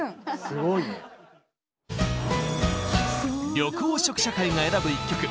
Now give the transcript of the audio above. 緑黄色社会が選ぶ一曲。